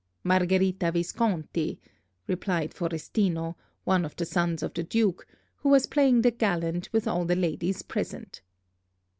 "Margherita Visconti," replied Forestino, one of the sons of the Duke, who was playing the gallant with all the ladies present.